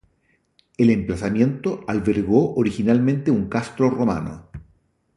El emplazamiento albergó originalmente un castro romano.